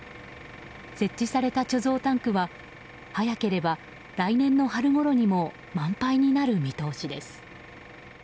設置された貯蔵タンクは早ければ来年の春ごろにも満杯になる見通しです。